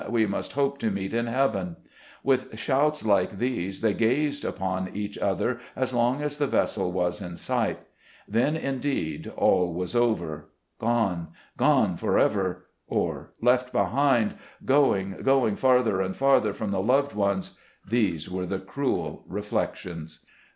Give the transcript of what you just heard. we must hope to meet in heaven !" With shouts like these, they gazed upon each other as long as the vessel was in sight. Then, indeed, all was over. "Gone, gone, forever," or "left behind," "going, going, farther and farther from the loved ones," these were the cruel reflections.